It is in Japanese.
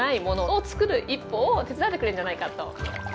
一歩を手伝ってくれるんじゃないかと。